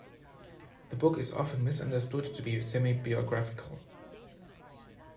The book is often misunderstood to be semi-biographical.